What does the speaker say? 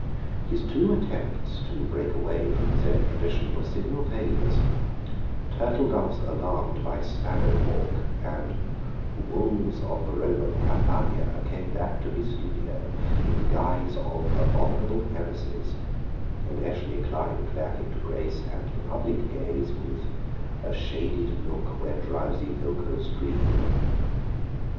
His two attempts to break away from his own tradition were signal failures: "Turtle Doves alarmed by Sparrow hawk" and "Wolves on the Roman Campagna" came back to his studio in the guise of abominable heresies, and Eshley climbed back into grace and the public gaze with "A Shaded Nook where Drowsy Milkers Dream."